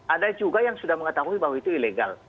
ada juga yang sudah mengetahui bahwa itu ilegal